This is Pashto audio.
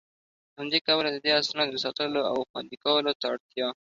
له همدي کبله د دې اسنادو د ساتلو او خوندي کولو ته اړتيا